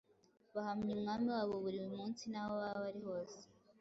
Bahamya Umwami wabo buri munsi n’aho baba bari hose,